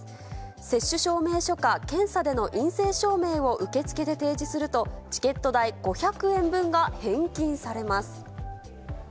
接種証明書か検査での陰性証明を受付で提示するとチケット代５００円分が返金されます。